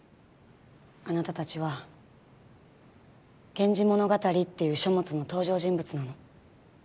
あなたちは「源氏物語」っていう書物の登場人物なの。